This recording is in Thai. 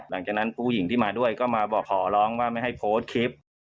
หลังจากนั้นผู้หญิงที่มาด้วยก็มาบอกขอร้องว่าไม่ให้โพสต์คลิป